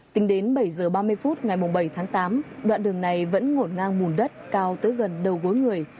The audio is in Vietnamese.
tính đến bảy h ba mươi phút ngày bảy tháng tám đoạn đường này vẫn ngột ngang bùn đất cao tới gần đầu gối người